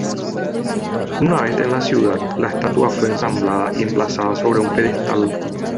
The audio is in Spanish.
Una vez en la ciudad, la estatua fue ensamblada y emplazada sobre un pedestal.